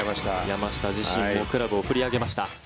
山下自身もクラブを振り上げました。